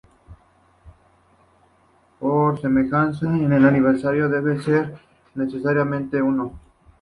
Por semejanza, en el universo debe ser necesariamente uno.